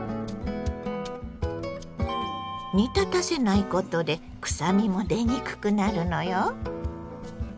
煮立たせないことでくさみも出にくくなるのよ。